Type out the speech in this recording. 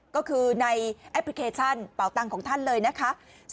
ก็คือในแอปพลิเคชันเป่าตังค์ของท่านเลยนะคะ